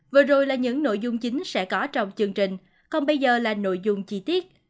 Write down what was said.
vừa rồi là những nội dung chính sẽ có trong chương trình còn bây giờ là nội dung chi tiết